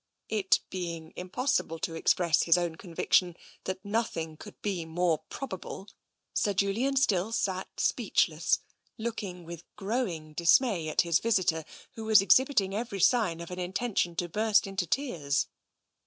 It being impossible to express his own conviction that nothing could be more probable, Sir Julian still sat speechless, looking with growing dismay at his visitor, who was exhibiting every sign of an intention to burst into tears.